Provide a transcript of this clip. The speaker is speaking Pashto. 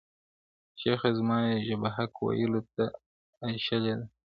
• شیخه زما یې ژبه حق ویلو ته تراشلې ده -